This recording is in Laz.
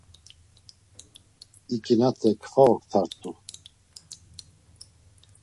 İǩinate kva oktart̆u.